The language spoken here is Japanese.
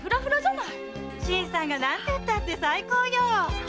新さんがなんてったって最高よ！